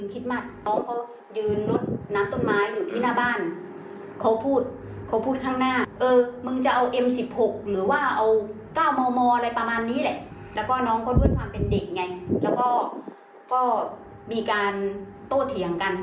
กวดเบ่งแล้วก็กิกหัวน้องก็ระเพี้ยนเข้าไปห้ามกัน